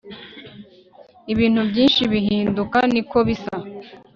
ibintu byinshi bihinduka, niko bisa